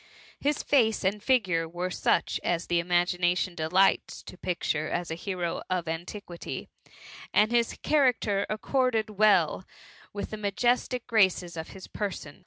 His face and figure were such as the imagination delights to picture as a hero of antiquity; and his cha racter accorded well with the majestic graces of his person.